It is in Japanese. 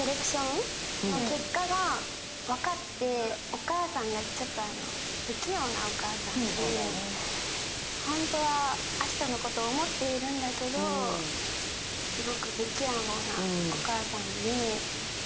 お母さんがちょっと不器用なお母さんで、本当は葦人のことを思っているんだけどすごく不器用なお母さんで。